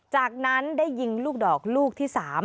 จากนั้นได้ยิงลูกดอกลูกที่๓